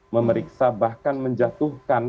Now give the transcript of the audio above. memeriksa bahkan menjatuhkan